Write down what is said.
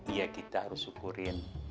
ya kita harus syukurin